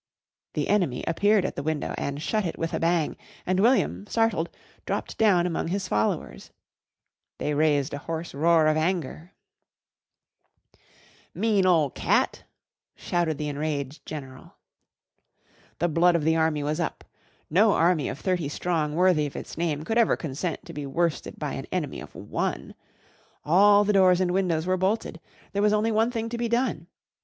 The enemy appeared at the window and shut it with a bang, and William, startled, dropped down among his followers. They raised a hoarse roar of anger. [Illustration: THEY TROOPED IN AT THE GARDEN GATE. COOK, PALE AND SPEECHLESS, WATCHED THEM.] "Mean ole cat!" shouted the enraged general. The blood of the army was up. No army of thirty strong worthy of its name could ever consent to be worsted by an enemy of one. All the doors and windows were bolted. There was only one thing to be done.